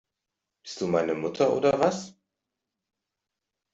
Bist du meine Mutter oder was?